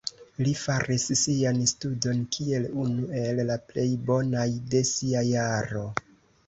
Li faris sian studon kiel unu el la plej bonaj de sia jaro.